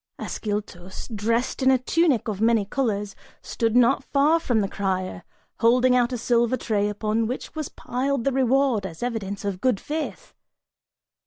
Ascyltos, dressed in a tunic of many colors, stood not far from the crier, holding out a silver tray upon which was piled the reward, as evidence of good faith.